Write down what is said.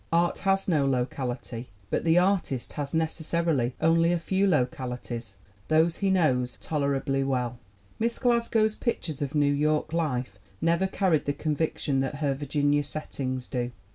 Art has no locality, but the artist has necessarily only a few localities those he knows tolerably well. Miss Glasgow's pictures of New York life never carry the conviction that her Virginia set tings do.